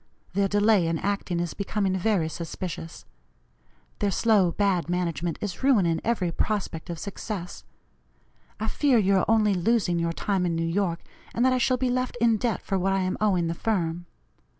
Their delay in acting is becoming very suspicious. Their slow, bad management is ruining every prospect of success. I fear you are only losing your time in New York, and that I shall be left in debt for what I am owing the firm.